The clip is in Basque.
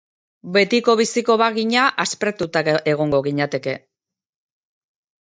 Betiko biziko bagina, aspertuta egongo ginateke.